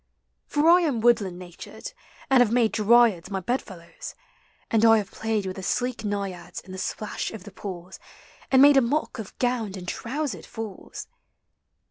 For I am woodland natured, and have made Dryads my bedfellows, NATURE'S INFLUENCE. 27 And I have played With the sleek Naiads in the splash of the pools And made a mock of gowned and trousered fools.